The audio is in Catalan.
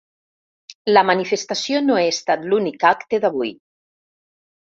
La manifestació no ha estat l’únic acte d’avui.